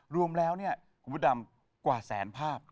รวมแล้วเนี่ยคุณพุทธรรมกว่าแสนภาพ